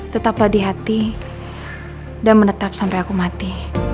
tetaplah di hati dan menetap sampai aku mati